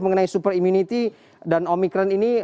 mengenai superimmunity dan omikron ini